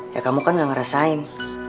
ya kamu kan gak ngerasain